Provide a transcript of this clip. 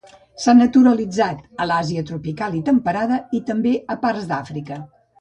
S'ha naturalitzat a l'Àsia tropical i temperada i també a parts d'Àfrica.